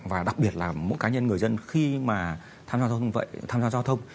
và đặc biệt là mỗi cá nhân người dân khi mà tham gia giao thông